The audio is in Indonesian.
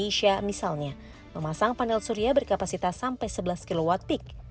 indonesia misalnya memasang panel surya berkapasitas sampai sebelas kw peak